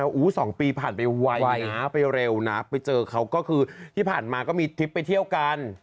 ๒ปีผ่านไปไวนะไปเร็วนะไปเจอเขาก็คือที่ผ่านมาก็มีทริปไปเที่ยวกัน